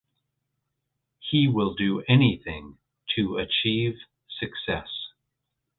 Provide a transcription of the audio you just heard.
He will do anything to achieve success.